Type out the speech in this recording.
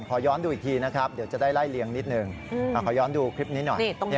ขอย้อนดูอีกทีนะครับเดี๋ยวจะได้ไล่เลียงนิดนึงขอย้อนดูคลิปนี้หน่อย